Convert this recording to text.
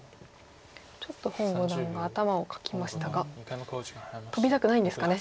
ちょっと洪五段が頭をかきましたがトビたくないんですかね。